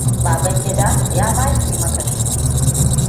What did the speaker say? Babangida ya make makashin.